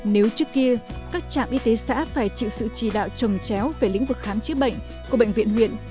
nếu trước kia các trạm y tế xã phải chịu sự chỉ đạo trồng chéo về lĩnh vực khám chữa bệnh của bệnh viện huyện